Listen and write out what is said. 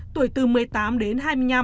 tuổi từ một mươi tám đến hai mươi năm